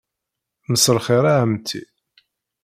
Mselxir a Ɛemti.